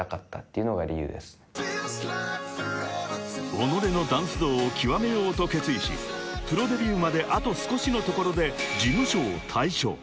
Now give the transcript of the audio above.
［己のダンス道を極めようと決意しプロデビューまであと少しのところで］